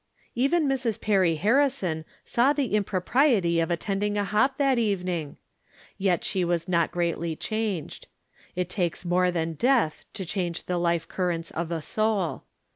Even Mrs. Perry Harrison saw the impropriety of attending a hop that evening ! Yet she was not greatly changed. It takes more than death to change the life currents of a soul.